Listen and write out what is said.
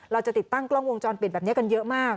ติดตั้งกล้องวงจรปิดแบบนี้กันเยอะมาก